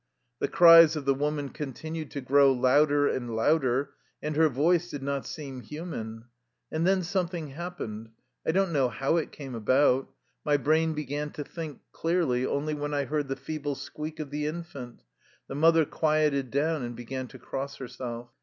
The cries of the woman continued to grow louder and louder, and her voice did not seem human. And then something happened. I don't know how it came about. My brain began to think clearly only when I heard the feeble squeak of the infant. The mother quieted down, and began to cross herself.